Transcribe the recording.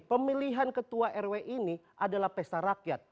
pemilihan ketua rw ini adalah pesta rakyat